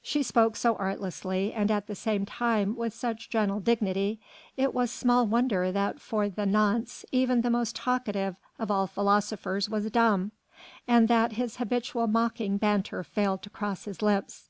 She spoke so artlessly and at the same time with such gentle dignity, it was small wonder that for the nonce even the most talkative of all philosophers was dumb, and that his habitual mocking banter failed to cross his lips.